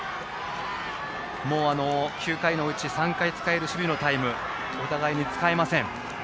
９回のうち３回使える守備のタイムお互いに使えません。